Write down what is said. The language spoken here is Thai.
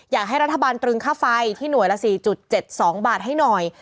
อยากให้รัฐบาลตรึงค่าไฟที่หน่วยละสี่จุดเจ็ดสองบาทให้หน่อย